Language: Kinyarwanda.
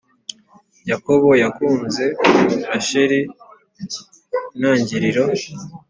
Yakobo yakunze Rasheli Intangiriro